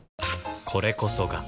これこそが